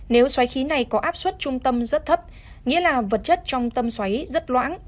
nếu xoáy khí này có áp suất trung tâm rất thấp nghĩa là vật chất trong tâm xoáy rất loãng